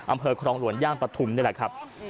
อำเภอครองหลวนย่างปะถุ๋มนี่แหละครับอืม